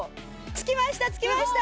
つきました